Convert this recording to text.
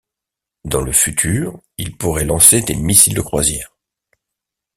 Dans le futur, il pourrait lancer des missiles de croisière.